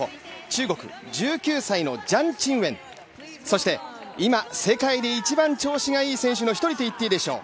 中国、１９歳のジャン・チンウェン、そして、今世界で一番調子がいい選手の一人といっていいでしょう。